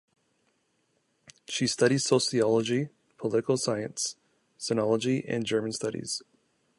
She studied sociology, political science, sinology and German studies.